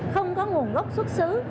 không có nguồn gốc xuất xứ